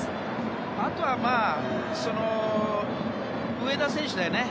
あとは上田選手だよね。